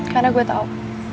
karena gue tahu